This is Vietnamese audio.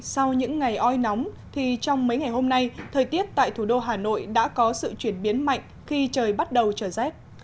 sau những ngày oi nóng thì trong mấy ngày hôm nay thời tiết tại thủ đô hà nội đã có sự chuyển biến mạnh khi trời bắt đầu trở rét